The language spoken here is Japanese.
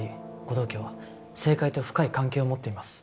道家は政界と深い関係を持っています